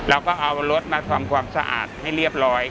เราก็เอารถมาทำความสะอาดให้เรียบร้อย